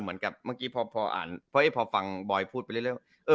เหมือนกับเมื่อกี้พอพออ่านเพราะว่าพอฟังบอยพูดไปเรื่อยเรื่อย